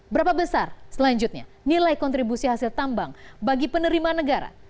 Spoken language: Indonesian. berapa besar selanjutnya nilai kontribusi hasil tambang bagi penerimaan negara